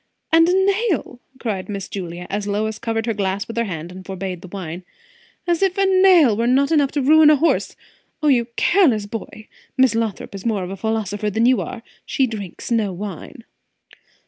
and a nail!" cried Miss Julia as Lois covered her glass with her hand and forbade the wine. "As if a nail were not enough to ruin a horse! O you careless boy! Miss Lothrop is more of a philosopher than you are. She drinks no wine."